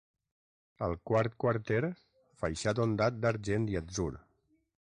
Al quart quarter, faixat ondat d'argent i atzur.